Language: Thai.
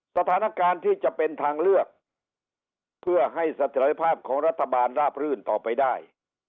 สถานการณ์ที่จะเป็นทางเลือกเพื่อให้เสถียรภาพของรัฐบาลราบรื่นต่อไปได้